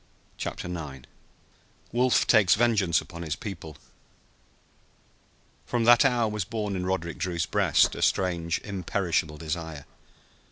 CHAPTER IX WOLF TAKES VENGEANCE UPON HIS PEOPLE From that hour was born in Roderick Drew's breast a strange, imperishable desire.